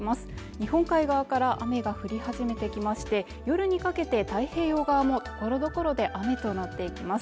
日本海側から雨が降り始めてきまして夜にかけて太平洋側もところどころで雨となっていきます